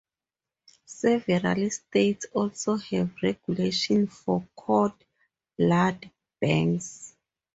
Several states also have regulations for cord blood banks.